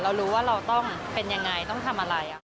เรารู้ว่าเราต้องเป็นยังไงต้องทำอะไร